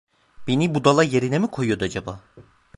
Beni budala yerine mi koyuyordu acaba?